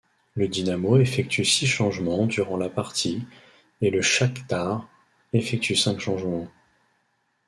Le Dynamo effectue six changements durant la partie et le Chakhtar effectue cinq changements.